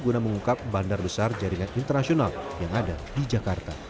guna mengungkap bandar besar jaringan internasional yang ada di jakarta